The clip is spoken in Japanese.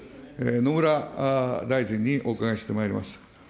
野村大臣にお伺いしてまいります。